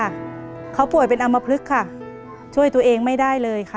รายการต่อไปนี้เป็นรายการทั่วไปสามารถรับชมได้ทุกวัย